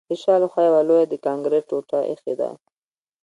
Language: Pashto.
د شا له خوا یوه لویه د کانکریټ ټوټه ایښې ده